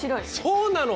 そうなの！